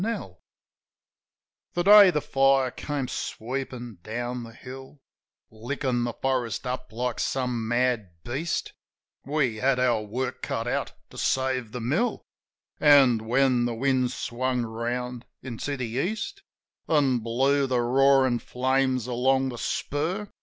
84 JIM OF THE HILLS The day the fire came sweepin' down the hill, Lickin' the forest up like some mad beast, We had our work cut out to save the mill; An', when the wind swung round into the East, An' blew the roarin' flames along the spur.